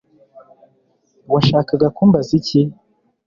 Washakaga kumbaza iki